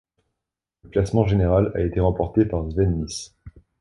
Le classement général a été remporté par Sven Nys.